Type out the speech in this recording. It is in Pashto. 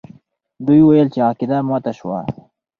دوی وویل چې عقیده ماته سوه.